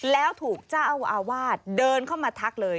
แล้วถูกเจ้าอาวาสเดินเข้ามาทักเลย